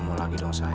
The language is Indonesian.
mau aku paksa